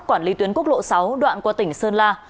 quản lý tuyến quốc lộ sáu đoạn qua tỉnh sơn la